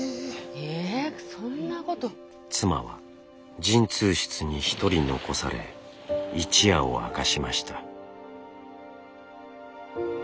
妻は陣痛室に一人残され一夜を明かしました。